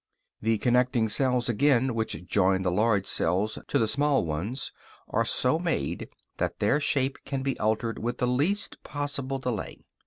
The connecting cells again, which join the large cells to the small ones, are so made that their shape can be altered with the least possible delay.